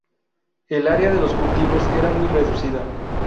El área de los cultivos era muy reducida.